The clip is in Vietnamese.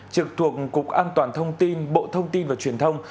trực thuộc cục an toàn thông tin bộ thông tin và truyền thông